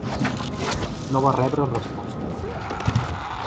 No va rebre resposta.